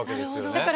だから。